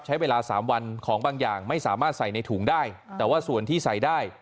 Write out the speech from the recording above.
ใช้เวลา๓วันของบางอย่างไม่สามารถใส่ในถุงได้